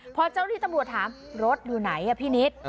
พอเจ้าหน้าที่ตำรวจถามรถอยู่ไหนพี่นิด